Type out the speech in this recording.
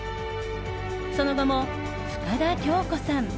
その後も深田恭子さん